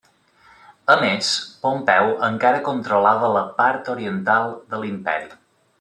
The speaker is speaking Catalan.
A més, Pompeu encara controlava la part oriental de l'Imperi.